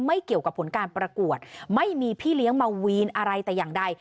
ไม่เกี่ยวกับผลการประกวดไม่มีพี่เลี้ยงมาวีนอะไรแต่อย่างใด